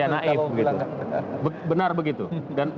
dan bagaimana kemudian kontrol politik uang itu